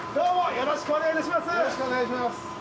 よろしくお願いします